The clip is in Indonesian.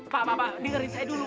pak pak pak dengerin saya dulu